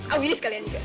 oh gilis kalian juga